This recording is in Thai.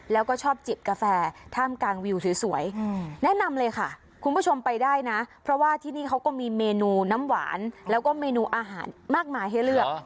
แล้วก็ชอบจิบกาแฟท่ามกลางวิวสวยแนะนำเลยค่ะคุณผู้ชมไปได้นะเพราะว่าที่นี่เขาก็มีเมนูน้ำหวานแล้วก็เมนูอาหารมากมายให้เลือก